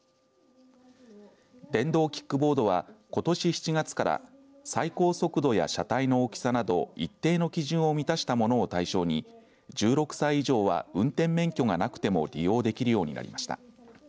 電動キックボードはことし７月から最高速度や車体の大きさなど一定の基準を満たしたものを対象に１６歳以上は運転免許がなくても利用できるようになりました。